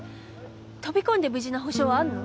飛び込んで無事な保証あんの？